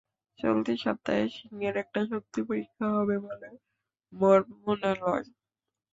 চলতি সপ্তাহে সিংহের একটা শক্তি পরীক্ষা হবে বলে মোর মনে লয়।